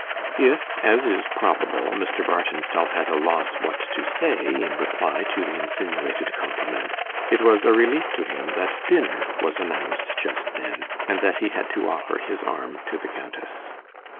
If, as is probable, Mr. Barton felt at a loss what to say in reply to the insinuated compliment, it was a relief to him that dinner was announced just then, and that he had to offer his arm to the Countess.